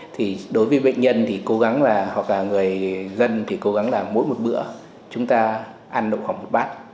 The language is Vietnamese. thì đối với bệnh nhân thì cố gắng là hoặc là người dân thì cố gắng là mỗi một bữa chúng ta ăn đậu hỏng một bát